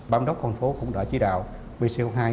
bám đốc con phố cũng đã chỉ đạo vco hai